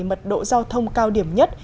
mật độ giao thông cao điểm nhất